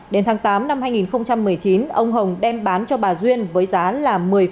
đến tháng tám năm hai nghìn một mươi chín ông hồng đem bán cho bà duyên với giá là